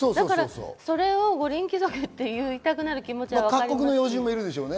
それを五輪貴族って言いたくなる気持ちは分かります。